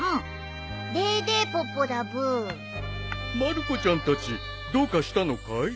まる子ちゃんたちどうかしたのかい？